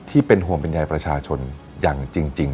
ที่เป็นห่วงเป็นใยประชาชนอย่างจริง